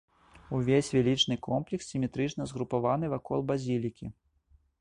Увесь велічны комплекс сіметрычна згрупаваны вакол базілікі.